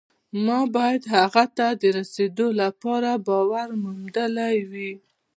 ما باید هغه ته د رسېدو لپاره باور موندلی وي